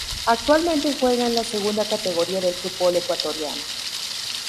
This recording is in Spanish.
Actualmente juega en la Segunda Categoría del fútbol ecuatoriano.